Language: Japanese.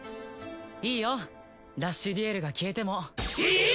いいよラッシュデュエルが消えても。え！？